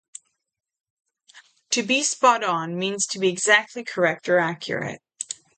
To be spot on means to be exactly correct or accurate.